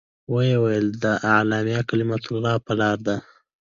ويې ويل د اعلاى کلمة الله په لاره.